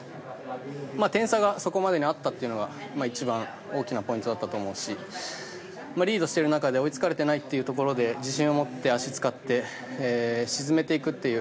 点差がそこまでにあったというのが一番大きなポイントだったと思うしリードしている中で追いつかれていないというところで自信を持って足を使って沈めていくっていう。